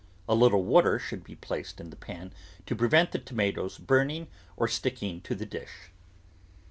A little water should be placed in the pan to prevent the tomatoes burning or sticking to the dish.